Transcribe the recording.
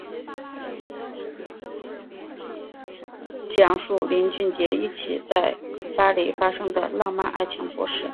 讲述林俊杰一起在巴黎发生的浪漫爱情故事。